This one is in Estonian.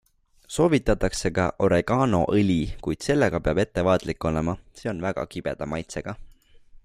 Soovitatakse ka oreganoõli, kuid sellega peab ettevaatlik olema - see on väga kibeda maitsega.